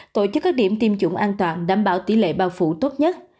tổ chức các điểm tiêm chủng an toàn đảm bảo tỷ lệ bao phủ tốt nhất